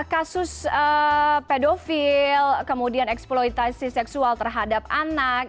kasus pedofil kemudian eksploitasi seksual terhadap anak